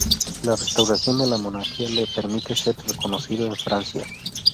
La restauración de la monarquía le permite ser reconocido en Francia.